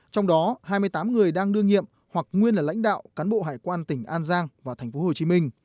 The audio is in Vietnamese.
trong đó hai mươi tám người đang đưa nghiệm hoặc nguyên là lãnh đạo cán bộ hải quan tỉnh an giang và tp hcm